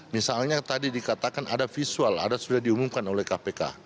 misalnya tadi dikatakan ada visual ada sudah diumumkan oleh kpk